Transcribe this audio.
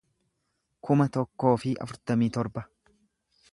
kuma tokkoo fi afurtamii torba